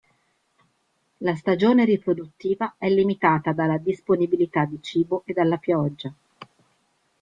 La stagione riproduttiva è limitata dalla disponibilità di cibo e dalla pioggia.